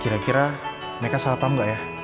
kira kira mereka salah paham nggak ya